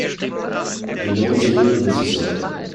Genau so muss es sein.